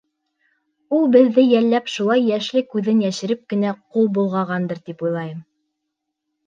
Ул беҙҙе йәлләп шулай йәшле күҙен йәшереп кенә ҡул болғағандыр, тип уйлайым.